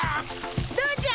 どうじゃ？